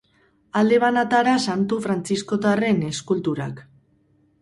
Alde banatara santu frantziskotarren eskulturak.